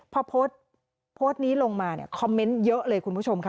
โพสต์นี้ลงมาคอมเมนต์เยอะเลยคุณผู้ชม